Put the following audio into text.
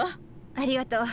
ありがとう。